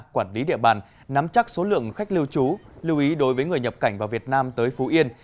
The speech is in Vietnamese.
quản lý địa bàn nắm chắc số lượng khách lưu trú lưu ý đối với người nhập cảnh vào việt nam tới phú yên